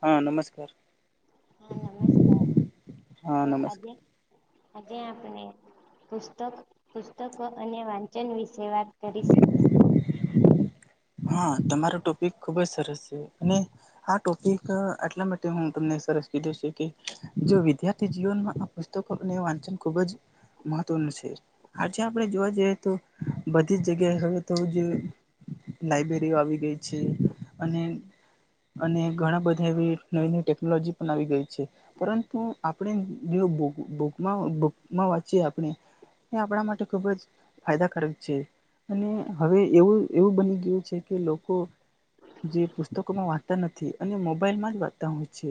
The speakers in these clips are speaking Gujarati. હા નમસ્કાર. હા નમસ્કાર હા તો આજે નમસ્કાર આજે આપણે પુસ્તક પુસ્તકો અને વાંચન વિશે વાત કરીશું. હા તમારો ટોપિક ખુબ જ સરસ છે અને આ ટોપિક આટલા માટે હું તમને સરસ કીધું છે કે જો વિદ્યાર્થી જીવનમાં પુસ્તકો અને વાંચન ખૂબ જ મહત્વનું છે આજે આપણે જોવા જઈએ તો બધી જ જગ્યાએ હવે તો જે લાઇબ્રેરીઓ આવી ગઈ છે અને અને ઘણા બધા એવી નવી નવી ટેકનોલોજી પણ આવી ગઈ છે. પરંતુ આપણે ન્યુ બુક બુકમાં બુકમાં વાંચીએ આપણે એ આપણા માટે ખૂબ જ ફાયદાકારક છે અને હવે એવું એવું બની યુ છે કે લોકો જે પુસ્તકોમાં વાંચતા નથી અને મોબાઈલમાં જ વાંચતા હોય છે.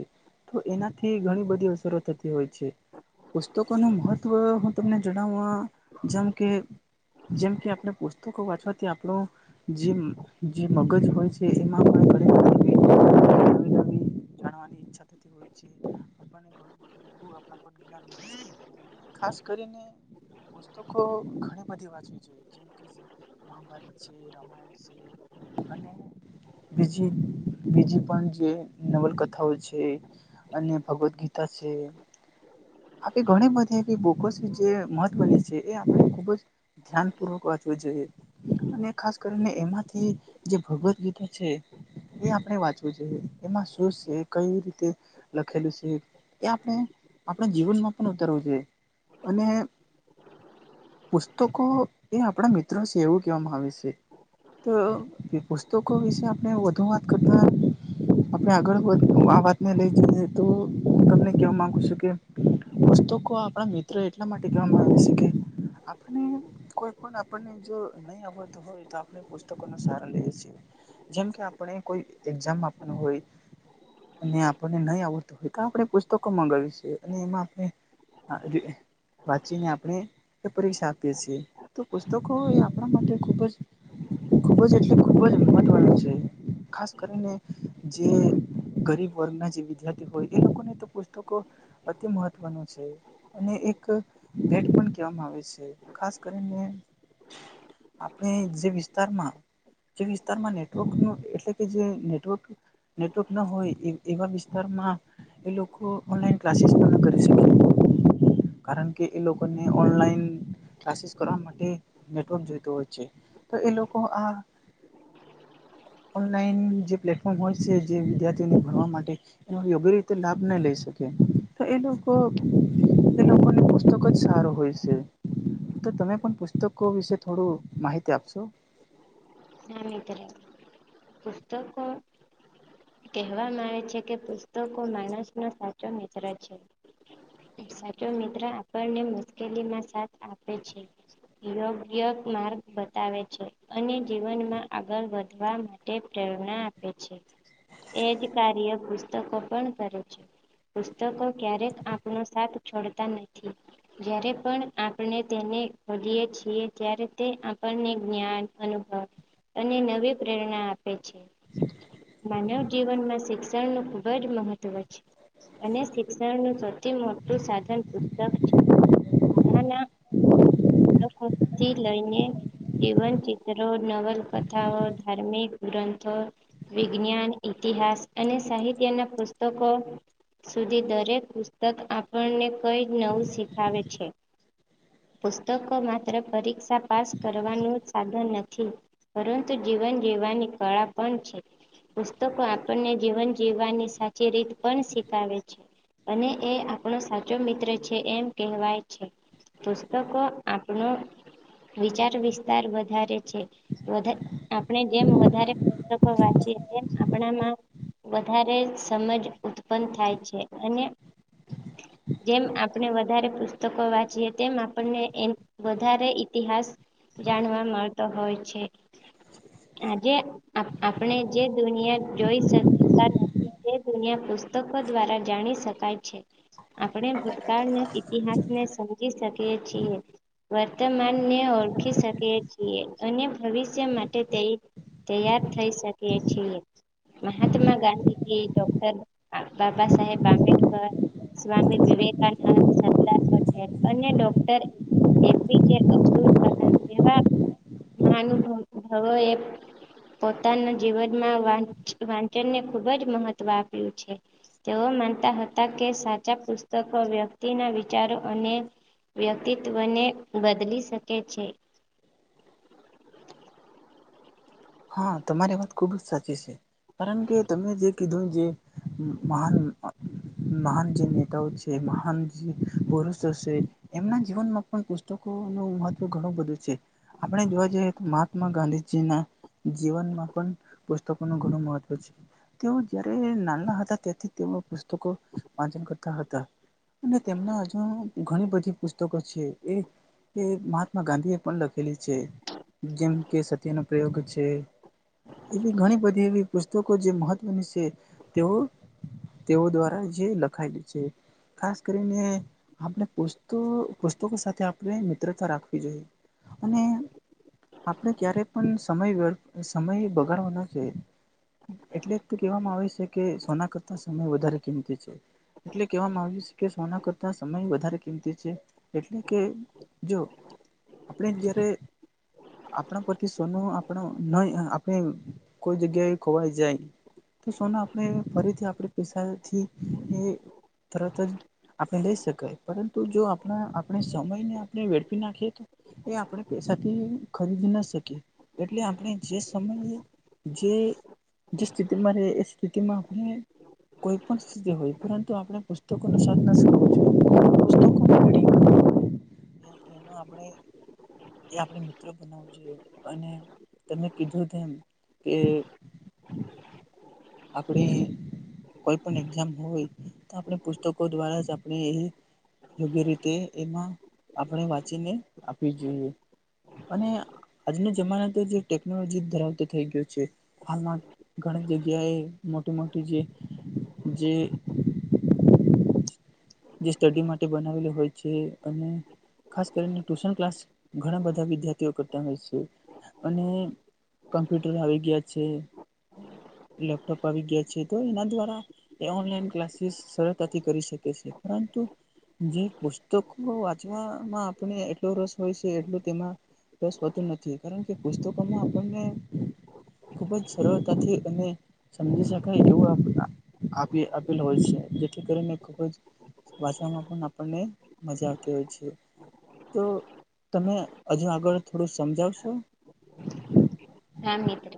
તો એનાથી ઘણી બધી અસરો થતી હોય છે. પુસ્તકો નું મહત્વ હું તમને જણાવવા જેમ કે જેમ કે આપણે પુસ્તકો વાંચવાથી આપડો જે જે મગજ હોય છે એમાં [inaudible] જાણવાની ઈચ્છા થતી હોય છે આપણને ઘણું બધું એવું [inaudible] હોય છે. ખાસ કરીને પુસ્તકો ઘણી બધી વાંચવી જોઈએ જેમ કે મહાભારત છે રામાયણ અને બીજી બીજી પણ જે નવલકથાઓ છે. અને ભગવદ ગીતા છે. આ બી ઘણી બધી એ બોકોસ જે મહત્વની છે એ આપણે ખુબ જ ધ્યાન પૂર્વક વાંચવું જોઈએ અને ખાસ કરીને એમાંથી જે ભગવદ ગીતા છે. એ આપણે વાંચવું જોઈએ એમાં શું છે કઈ રીતે લખેલું છે. એ આપણે આપણા જીવનમાં પણ ઉતરવું જોઈએ અને પુસ્તકો એ આપણા મિત્રો છે એવું કહેવામાં આવે છે. તો એ પુસ્તકો વિશે આપણે વધુ વાત કરતા આપણે આગળ વધ આ વાતને લઈ જઈએ તો તમને કહેવા માગુ છું કે પુસ્તકો આપણા મિત્ર એટલા માટે કહેવામાં આવે છે કે આપને કોઈ પણ આપણને જો નહી આવડતું હોય તો આપણે પુસ્તકો નો સહારો લઈએ છીએ જેમકે આપણે કોઈ એક્ઝામ આપવુ હોય અને આપણને નહીં આવડતું હોય તો આપણે પુસ્તકો મગાવી છે અને એમાં આપણે હા એ વાંચીને આપણે તે પરીક્ષા આપીએ છીએ તો પુસ્તકો એ આપણા માટે ખુબ જ ખુબ જ એટલે ખુબ જ મહત્વનું છે ખાસ કરીને જે ગરીબ વર્ગ ના જે વિદ્યાર્થી હોય એ લોકોને તો પુસ્તકો અતિ મહત્વનું છે. અને એક ભેટ પણ કહેવામાં આવે છે ખાસ કરીને આપણે જે વિસ્તારમાં જે વિસ્તારમાં નેટવર્ક નો એટલે કે જે નેટવર્ક નેટવર્ક ના હોય એ એવા વિસ્તારમાં એ લોકો ઓનલાઈન ક્લાસીસ પણ ન કરી શકે. કારણ કે એ લોકોને ઓનલાઈન ક્લાસીસ કરવા માટે નેટવર્ક જોઈતું હોય છે તો એ લોકો આ [inaudible] ઓનલાઈન જે પ્લેટફોર્મ હોય છે જે વિદ્યાર્થીઓને ભણવા માટે એનો યોગ્ય રીતે લાભ નહી લઈ શકે તો એ લોકો એ લોકોને પુસ્તક જ સારો હોય છે. તો તમે પણ પુસ્તકો વિશે થોડું માહિતી આપશો [unintelligible] પુસ્તકો કહેવામાં આવે છે કે પુસ્તકો માણસ નો સાચો મિત્ર છે. સાચો મિત્ર આપણને મુશ્કેલીમાં સાથ આપે છે. યોગ્ય માર્ગ બતાવે છે અને જીવનમાં આગળ વધવા માટે પ્રેરણા આપે છે. એ જ કાર્ય પુસ્તકો પણ કરે છે. પુસ્તકો ક્યારેક આપણો સાથ છોડતા નથી. જયારે પણ આપણે તેને ભણીએ છીએ ત્યારે તે આપણને જ્ઞાન અનુ અને નવી પ્રેરણા આપે છે. માનવ જીવનમાં શિક્ષણનું ખૂબ જ મહત્ત્વ છે. અને શિક્ષણ ન સૌથી મોટું સાધન પુસ્તક છે. શાળાના પુસ્તકો થી લઈને જીવન ચ ચિત્રો નવલકથાઓ ધાર્મિક ગ્રંથો વિજ્ઞાન ઇતિહાસ અને સાહિત્યના પુસ્તકો સુધી દરેક પુસ્તક આપણને કઈ નવું શીખાવે છે. પુસ્તકો માત્ર પરીક્ષા પાસ કરવાનું સાધન નથ થી પરંતુ જીવન જીવવાની કળા પણ છે. પુસ્તકો આપણને જીવન જીવવાની સાચી રીત પણ શીખાવે છે. અને એ આપણો સાચો મિત્ર છે એમ કહેવાય છે. પુસ્તકો આપણો વિચાર વિસ્તાર વધારે છે, વધા આપણે જેમ વધારે પુસ્તકો વાંચીએ તેમ આપણામાં વધારે સમજ ઉત્પન થાય છે, અને જેમ આપણે વધારે પુસ્તકો વાંચીએ તેમ આપણને એ વધારે ઇતિહાસ જાણવા મળતો હોય છે. આજે આપણે જે દુનિયા જોઈ શકતા ન જે દુનિયા પુસ્તકો દ્વારા જાણી શકાય છે. આપણે ભૂતકાળના ઇતિહાસ ને સ જી શકીએ છીએ વર્તમાનને ઓળખી શકીએ એ અને ભવિષ્ય માટે તે તૈયાર થઈ શકી છીએ મહાત્મા ગાંધીજી ડોક્ટર બાબાસાહેબ આંબેડકર સ્વામી વિવેકાનંદ, સરદાર પટેલ અને ડોક્ટર એપીજે અબ્દુલ કલામ જેવા મહાઅનુભભવોએ પોતાના જીવનમાં વા વાંચનને ખૂબ જ મહત્વ આપ્યું છે. તેઓ માનતા હતા કે સાચા પુસ્તકો વ્યક્તિના વિચારો અને વ્યક્તિત્વને બદલી સકે છે. હા તમારી વાત ખૂબ જ સાચી છે, કારણ કે તમે જે કીધું જે મહાન મહાન જે નેતાઓ છે, મહાન જે પુરુષો છે. એમના જીવનમાં પણ પુસ્તકોનું મહત્વ ઘણું બધું છે. આપણે જોવા જઈએ તો મહાત્મા ગાંધીજીના જીવનમાં પણ પુસ્તકોનું ઘણું મહત્વ છે. તેઓ જયારે નાના હતા ત્યાંથી તેઓ પુસ્તકો વાંચન કરતા હતા. અને તેમના હજુ ઘણી બધી પુસ્તકો છે, એ એ મહાત્મા ગાંધી એ પણ લખેલી છે. જેમ કે સત્યનો પ્રયોગ છે. એવી ઘણી બધી એવી પુસ્તકો જે મહત્વની છે. તેઓ તેઓ દ્વારા જે લખાયેલી છે. ખાસ કરીને આપણે પુસતો પુસ્તકો સાથે આપણે મિત્રતા રાખવી જોએ અને આપણે ક્યારે પણ સમય વેળ સમય બગાડવ ના જોએ એટલે જ તો કેહેવામાં આવે છે, કે સોના કરતા સમય વધારે કિંમતી છે. એટલે કહેવામાં આવ્યું છે, કે સોના કરતા સમય વધારે કિંમતી છે, એટલે કે જો આપણે જયારે આપણા પરથી સોનું આપણો નય આપણે કોઈ જગ્યાએ ખોવાય જાય તો સોના આપણે ફરીથી આપણે પૈસા થી એ તરત જ આપણે લઈ શકાય પરંતુ જો આપણા આપણે સમયને આપણે વેડફી નાખીએ તો એ આપણે પૈસાથી ખરીદી ના શકીએ, એટલે. આપણે જે સમયે જે જે સ્થિતિમાં રે એ સ્થિતિમાં આપણે કોઈ પણ [unintelligible] આપણે પુસ્તકો [unintelligible] ને એનો આપણે એ આપણે મિત્રો બનાવવું જોઈએ અને તમે કીધું તેમ કે આપણે કોઈ પણ એક્ઝામ હોય તો આપણે પુસ્તકો દ્વારા જ આપણે યોગ્ય રીતે એમાં આપણે વાંચીને આપવી જોઈએ અને આજનો જમાના તો જે ટેકનોલોજી ધરાવતો થઈ ગયો છે. હાલમાં ઘણી જગ્યાએ મોટી મોટી જે જે જે સ્ટડી માટે બનાવેલી હોય છે અને ખાસ કરીને ટ્યુસન ક્લાસ ઘણાં બધા વિદ્યાર્થીઓ કરતા હોય છે અને કોમ્પ્યુટર આવી ગયા છે. લેપટોપ આવી ગયા છે. તો એના દ્વારા એ ઓનલાઈન ક્લાસીસ સરળતાથી કરી શકે છે. પરંતુ જે પુસ્તકો વાંચવામાં આપણે એટલો રસ હોય સે, એટલો તેમાં તે વધતું નથી કારણ કે પુસ્તકોમાં આપણને ખુબ જ સરળતાથી અને સમજી શકાય એવું આ આ આપે આપેલ હોય છે, જેથી કરીને ખૂબ જ વાચવામાં પણ આપણને મજા આવતી હોય છે. તો તમે અજુ આગળ થોડુંક સમજાવશો? હા માત્ર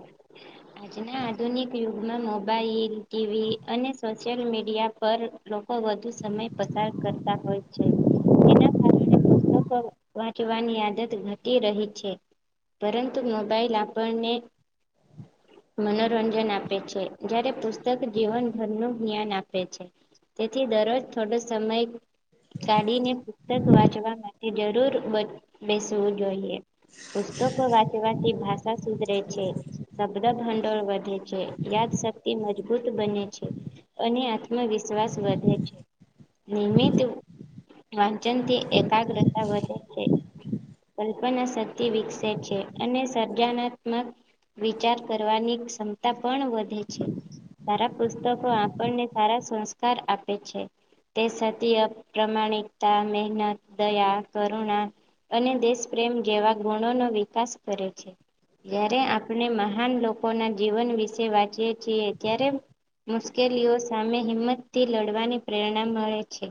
આજના આધુનિક યુગમાં મોબાઈલ, ટી. વી અને સોચયલ મીડિયા પર લોકો વધુ સમય પસાર કરતા હોય છે. તેના કારણે પુસ્તકો વાંચવાની આદત ઘટી રહી છે. પરંતુ મોબાઈલ આપણને મનોરંજન આપે છે, જ્યારે પુસ્તક જીવનભરનું જ્ઞાન આપે છે. તેથી દરરોજ થોડો સમય કાડીને પુસ્તક વાંચવા માટે જરૂર બ બેસવું જોઈએ પુસ્તકો વાંચવાથી ભાષા સુધરે છે. શબ્દ ભંડોળ વધે છે, યાદ શક્તિ મજબૂત બને છે. અને આત્મવિશ્વાસ વધે છે. નિયમિત વાંચનથી એકાગ્રતા વધે છે. કલ્પના શક્તિ વિકસે છે, અને સ જાનાત્મક વિચાર કરવાની ક્ષમતા પણ વધે છે. સારા પુસ્તકો આપણને સારા સંસ્કાર આપે છે. તે સાચી અ પ્રામાણિકતા, મહેનત, દયા, કરુણા અને દેશપ્રેમ જેવા ગુણોનો વિકાસ કરે છે. જયારે આપણે મહાન લોકોના જીવન વિશે વાંચીએ છીએ, ત્યારે મુશ્કેલીઓ સામે હિંમતથી લડવાની પ્રેરણા મળે છે.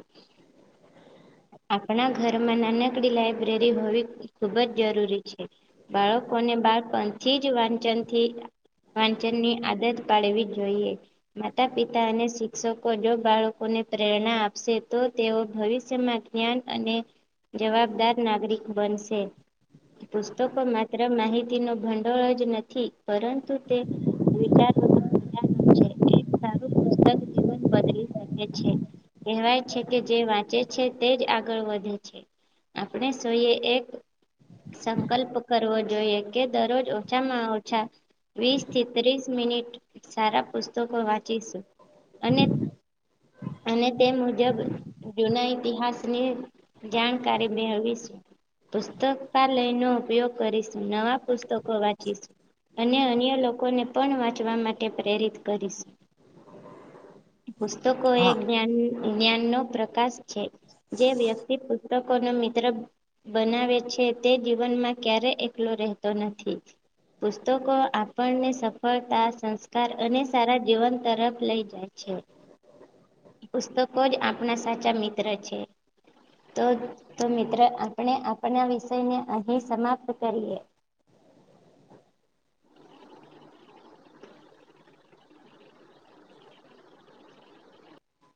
આપણા ઘરમાં નાનકડી લાઈબ્રેરી હોવી ખૂબ જ જરૂરી છે. બાળકોને બાળપણથી જ વાંચનથી વાંચનની આદત પાડવી જોઈએ માતા- પિતા અને શિક્ષકો જો બાળકોને પ્રેરણા આપશે તો તેઓ ભવિષ્ય માં જ્ઞાન અને જવાબદાર નાગરિક બનશે પુસ્તકો માત્ર માહિતીનો ભંડોળ જ નથી પરંતુ તે વિચારોનું ખજાનું છે, એક સારું પુસ્તક જીવન બદલી શકે છે. કહેવાય છે, કે જે વાંચે છે, તે જ આગળ વધે છે. આપણે છઈએ એક સંકલ્પ કરવો જોઈએ દરરોજ ઓછામાં ઓછા વીસથી ત્રીસ મિનિટ સારા પુસ્તકો વાંચી પચીસો અને અને તે મુજબ જુના ઇતિહાસની જાણકારી મેળવીશું પુસ્તલય નો ઉપયોગ કરીશું નવા પુસ્તકો વાંચીશ અને અન્ય લોકોને પણ વાંચવા માટે પ્રેરિત કરીશ. પુસ્તકો એ હા જ્ઞાન જ્ઞાનનો પ્રકાશ છે. જે વ્યક્તિ પુસ્તકોનો મિત્ર બનાવે છે. તે જીવનમાં ક્યારે એકલો રહેતો નથી. પુસ્તકો આપણને સફળતા સંસ્કાર અને સારા જીવન તરફ લઈ જાય છે. પુસ્તકો જ આપણા સાચા મિત્ર છે. તો તો મિત્ર આપણે આપના વિષયને અહીં સમાપ્ત કરીએ